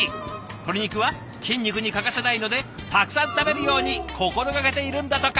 鶏肉は筋肉に欠かせないのでたくさん食べるように心がけているんだとか。